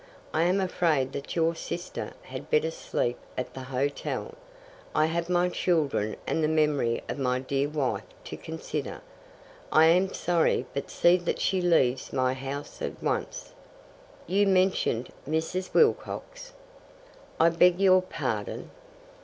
I am afraid that your sister had better sleep at the hotel. I have my children and the memory of my dear wife to consider. I am sorry, but see that she leaves my house at once." "You mentioned Mrs. Wilcox." "I beg your pardon?"